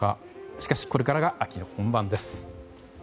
しかしこれからが秋の本番です。